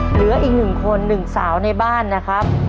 เหลืออีกหนึ่งคนหนึ่งสาวในบ้านนะครับ